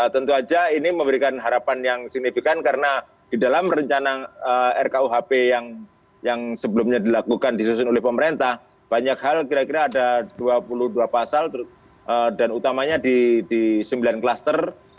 tentu saja ini memberikan harapan yang signifikan karena di dalam rencana rkuhp yang sebelumnya dilakukan disusun oleh pemerintah banyak hal kira kira ada dua puluh dua pasal dan utamanya di sembilan klaster